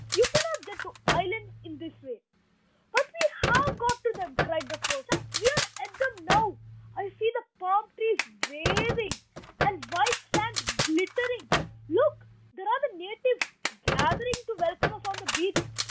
You cannot get to islands in this way." "But we have got to them," cried the first child. "We are at them now. I see the palm trees waving, and the white sand glittering. Look! there are the natives gathering to welcome us on the beach.